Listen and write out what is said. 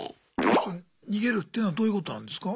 その逃げるっていうのはどういうことなんですか？